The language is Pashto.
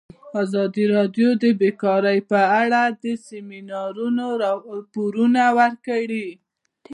ازادي راډیو د بیکاري په اړه د سیمینارونو راپورونه ورکړي.